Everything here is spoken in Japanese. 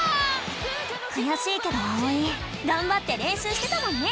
くやしいけどあおいがんばってれんしゅうしてたもんね！